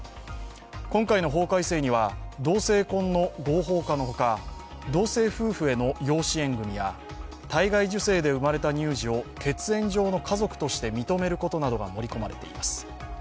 今回の法改正には、同性婚の合法化のほか、同性夫婦への養子縁組や体外受精で生まれた乳児を血縁上の家族として認めることなどが盛り込まれています。